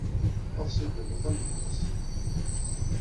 Eḍs i ddunit ad am-d-tḍes.